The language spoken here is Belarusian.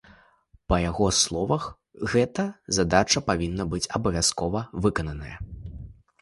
Па яго словах, гэта задача павінна быць абавязкова выкананая.